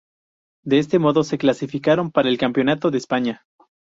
De este modo, se clasificaron para el Campeonato de España.